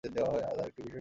তার বিশেষ একটু কারণ ছিল।